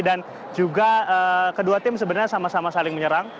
dan juga kedua tim sebenarnya sama sama saling menyerang